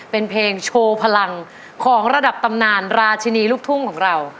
เป็นเพลงโชว์พลังของระดับตำนานราชินีลูกทุ่งของเรา